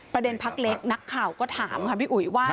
พักเล็กนักข่าวก็ถามค่ะพี่อุ๋ยว่า